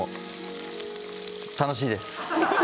楽しいです。